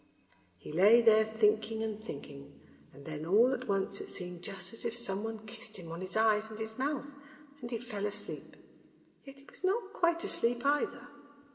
He lay there thinking and thinking, and then all at once it seemed just as if someone kissed him on his eyes and his mouth, and he fell asleep, yet he was not quite asleep either.